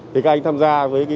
các anh tham gia với